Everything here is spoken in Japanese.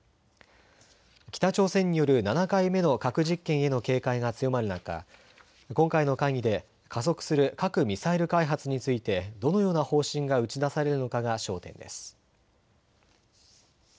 北朝鮮による７回目の核実験への警戒が強まる中、今回の会議で加速する核・ミサイル開発についてどのような方針が打ち出されるのかが焦点です。